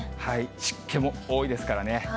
湿気も多いですからね。